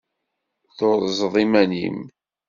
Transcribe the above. Turzeḍ iman-im.